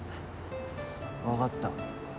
分かった。